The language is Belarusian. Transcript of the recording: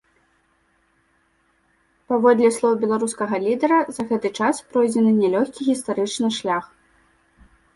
Паводле слоў беларускага лідара, за гэты час пройдзены нялёгкі гістарычны шлях.